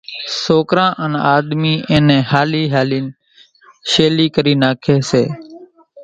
سوڪرا انين آۮمي اِين نين ھالي ھالين شيلي ڪري ناکي سي۔